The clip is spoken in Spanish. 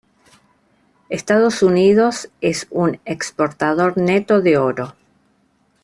Estados Unidos es un exportador neto de oro.